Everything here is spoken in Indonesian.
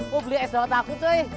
kok beli es dawet aku cuy